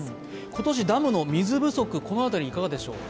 今年ダムの水不足、この辺りいかがでしょう？